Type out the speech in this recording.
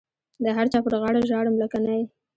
د هر چا پر غاړه ژاړم لکه نی.